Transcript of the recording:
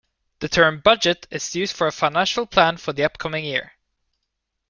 The term "budget" is used for a financial plan for the upcoming year.